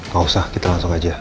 gak usah kita langsung aja